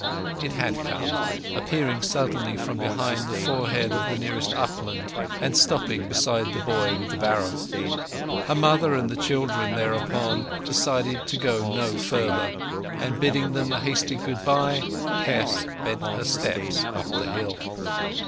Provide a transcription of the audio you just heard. It had come—appearing suddenly from behind the forehead of the nearest upland, and stopping beside the boy with the barrow. Her mother and the children thereupon decided to go no farther, and bidding them a hasty goodbye, Tess bent her steps up the hill.